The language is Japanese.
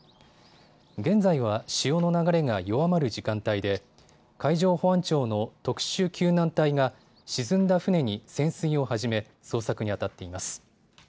現在は潮の流れが弱まる時間帯で海上保安庁の特殊救難隊が沈んだ船に潜水を始め捜索にあたっています。